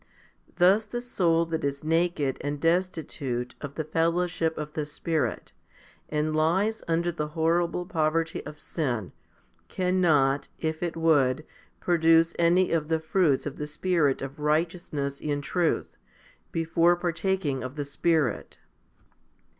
Thus the soul that is naked and destitute of the fellowship of the Spirit, and lies under the horrible poverty of sin, cannot, if it would, produce any of the fruits of the Spirit of righteousness in truth, before partaking of the Spirit.